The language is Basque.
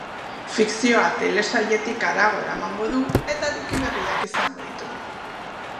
Fikzioa telesailetik harago eramango du eta eduki berriak izango ditu.